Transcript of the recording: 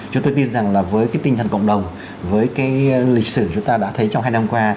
chúng tôi tin rằng là với cái tinh thần cộng đồng với cái lịch sử chúng ta đã thấy trong hai năm qua